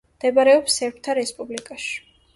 მდებარეობს სერბთა რესპუბლიკაში.